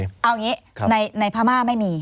เอางี้ในพม่าไม่มี